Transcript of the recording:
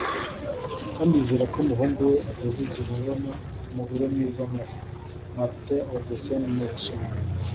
kandi yizera ko umuhungu we atazigera abona umugore mwiza nka se - martin andersen-nexö